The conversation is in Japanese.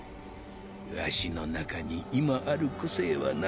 ワシの中に今ある個性はな